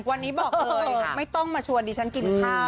วันนี้บอกเลยไม่ต้องมาชวนดิฉันกินข้าว